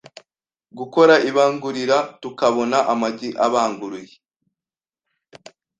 gukora ibangurira tukabona amagi abanguriye.”